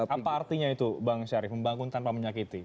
apa artinya itu bang syarif membangun tanpa menyakiti